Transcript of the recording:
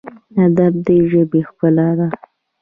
ادب د ژبې ښکلا ده